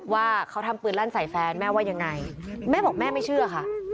ว่าเขาทำปืนลั่นใส่แฟนแม่ว่ายังไงแม่บอกแม่ไม่เชื่อค่ะ